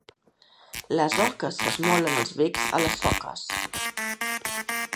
Les oques s'esmolen els becs a les soques.